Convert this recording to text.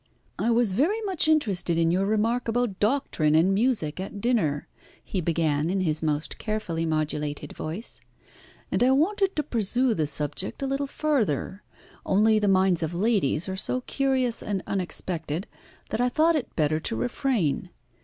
"I was very much interested in your remark about doctrine and music at dinner," he began in his most carefully modulated voice, "and I wanted to pursue the subject a little farther, only the minds of ladies are so curious and unexpected, that I thought it better to refrain.